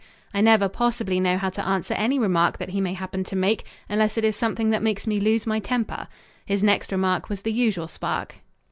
I never possibly know how to answer any remark that he may happen to make, unless it is something that makes me lose my temper. His next remark was the usual spark.